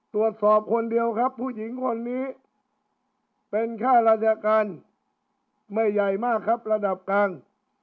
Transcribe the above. ตรวจสอบคนเดียวครับผู้หญิงคนนี้เป็นค่าราชการไม่ใหญ่มากครับระดับกลาง